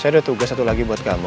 saya udah tugas satu lagi buat kamu